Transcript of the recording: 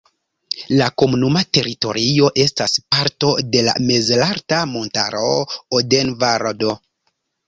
La komunuma teritorio estas parto de la mezalta montaro Odenvaldo.